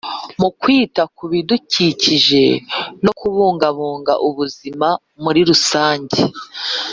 mu kwita ku bidukikije no kubungabunga ubuzima muri rusange.